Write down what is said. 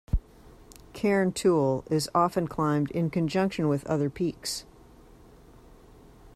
Cairn Toul is often climbed in conjunction with other peaks.